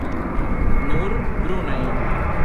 Nur brunajn.